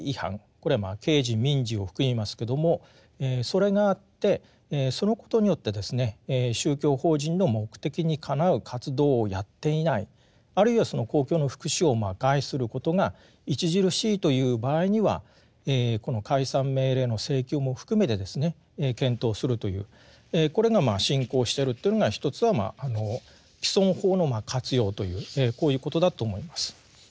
これは刑事・民事を含みますけどもそれがあってそのことによってですね宗教法人の目的にかなう活動をやっていないあるいはその公共の福祉を害することが著しいという場合にはこの解散命令の請求も含めてですね検討するというこれが進行してるというのが一つは既存法の活用というこういうことだと思います。